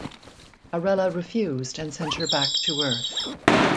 Arella refused and sent her back to Earth.